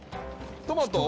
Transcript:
トマト？